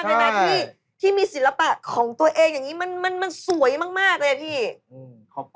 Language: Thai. ก็มี๒แผ่นป้ายแค่นั้นเองครับ